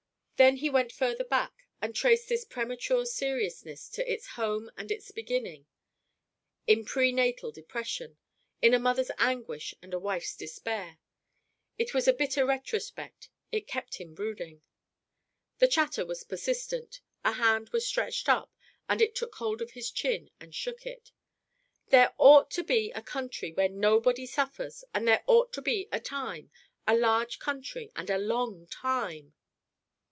Then he went further back and traced this premature seriousness to its home and its beginning: in prenatal depression in a mother's anguish and a wife's despair. It was a bitter retrospect: it kept him brooding. The chatter was persistent. A hand was stretched up, and it took hold of his chin and shook it: "There ought to be a country where nobody suffers and there ought to be a time; a large country and a long time."